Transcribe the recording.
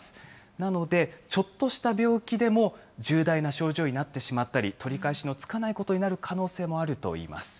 なので、ちょっとした病気でも重大な症状になってしまったり、取り返しのつかないことになる可能性もあるといいます。